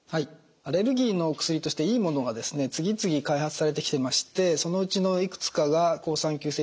アレルギーの薬としていいものが次々開発されてきてましてそのうちのいくつかが好酸球性中耳炎にも効くと。